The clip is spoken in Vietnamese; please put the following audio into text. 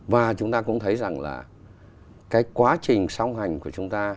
và chúng ta cũng thấy rằng là cái quá trình song hành của chúng ta